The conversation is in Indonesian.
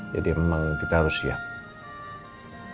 jadi emang kita harus siap